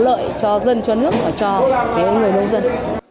có lợi cho dân cho nước và cho những người nông dân